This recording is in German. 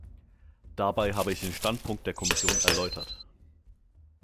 Dabei habe ich den Standpunkt der Kommission erläutert.